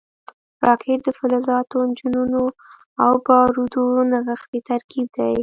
راکټ د فلزاتو، انجنونو او بارودو نغښتی ترکیب دی